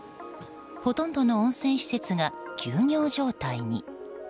ほとんどの温泉施設が休業状態に。